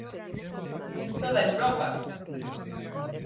Toda Europa.